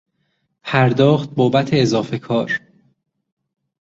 پرداخت بابت اضافه کار